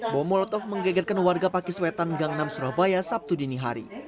bom molotov menggegetkan warga pakiswetan gangnam surabaya sabtu dini hari